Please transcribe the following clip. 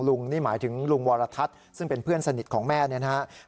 นี่หมายถึงลุงวรทัศน์ซึ่งเป็นเพื่อนสนิทของแม่เนี่ยนะครับ